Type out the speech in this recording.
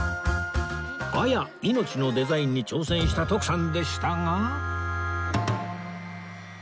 「亜矢命」のデザインに挑戦した徳さんでしたが